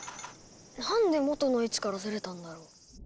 なんで元の位置からずれたんだろう？